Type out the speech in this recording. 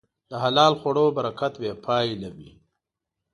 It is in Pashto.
د حلال خوړو برکت بېپایله وي.